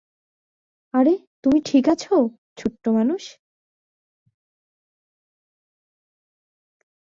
আরে, তুমি ঠিক আছো, ছোট্ট মানুষ।